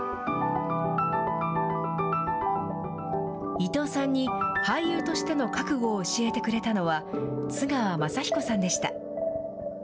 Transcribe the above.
伊藤さんに俳優としての覚悟を教えてくれたのは、津川雅彦さんでした。